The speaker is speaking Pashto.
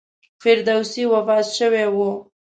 فردوسي وفات شوی و.